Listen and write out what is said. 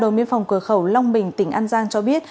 đội miên phòng cửa khẩu long bình tỉnh an giang cho biết